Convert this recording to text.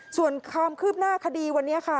ส่วนความคืบหน้าคดีวันนี้ค่ะ